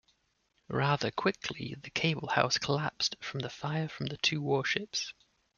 Rather quickly, the cable house collapsed from the fire from the two warships.